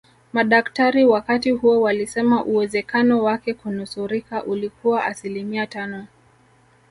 Madaktari wakati huo walisema uwezekano wake kunusurika ulikuwa asilimia tano